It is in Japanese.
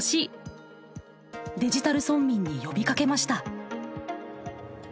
デジタル村民に呼びかけました。